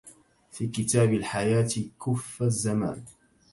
في كتاب الحياة كفّ الزمان